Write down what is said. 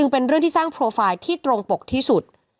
เป็นเรื่องที่สร้างโปรไฟล์ที่ตรงปกที่สุด